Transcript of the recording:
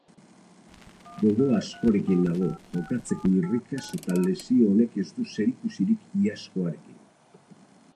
Gogo askorekin nago, jokatzeko irrikaz eta lesio honek ez du zerikusirik iazkoarekin.